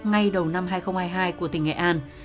ngay đầu năm hai nghìn hai mươi hai của tỉnh nghệ an